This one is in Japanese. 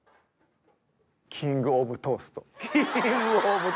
キングオブトースト。